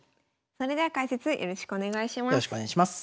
それでは解説よろしくお願いします。